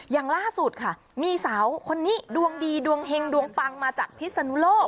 อย่างล่าสุดค่ะมีสาวคนนี้ดวงดีดวงเฮงดวงปังมาจากพิศนุโลก